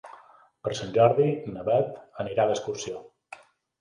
Per Sant Jordi na Bet anirà d'excursió.